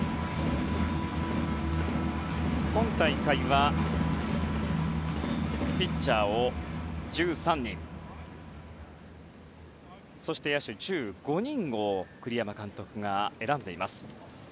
今大会はピッチャーを１３人そして、野手１５人を栗山監督が選んでいます。